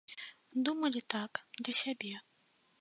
Думалі, так, для сябе.